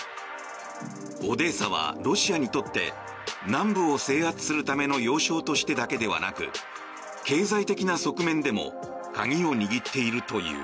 オデーサはロシアにとって南部を制圧するための要衝としてだけではなく経済的な側面でも鍵を握っているという。